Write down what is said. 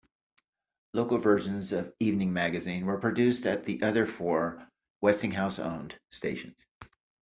Local versions of "Evening Magazine" were produced at the other four Westinghouse-owned stations.